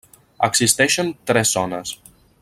Existeixen tres zones: